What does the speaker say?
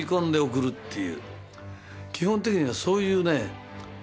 基本的にはそういうね